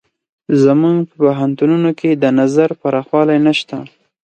زموږ په پوهنتونونو کې د نظر پراخوالی نشته.